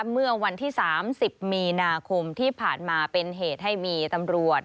เมื่อวันที่๓๐มีนาคมที่ผ่านมาเป็นเหตุให้มีตำรวจ